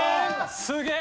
すげえ。